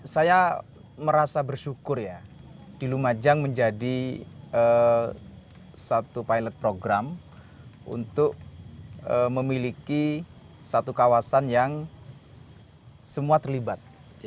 saya merasa bersyukur ya di lumajang menjadi satu pilot program untuk memiliki satu kawasan yang semua terlibat